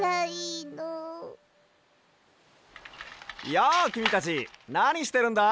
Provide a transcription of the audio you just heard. やあきみたちなにしてるんだい？